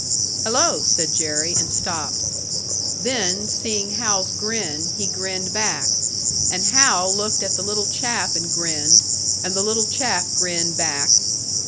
"Hello," said Jerry, and stopped. Then, seeing Hal's grin, he grinned back; and Hal looked at the little chap and grinned, and the little chap grinned back.